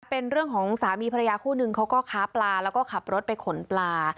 เป็นเรื่องของสามีภรรยาคู่นึงเขาก็ค้าปลาแล้วก็ขับรถไปขนปลา